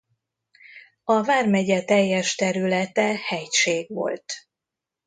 A vármegye teljes területe hegység volt.